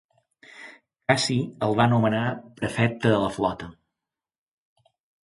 Cassi el va nomenar prefecte de la flota.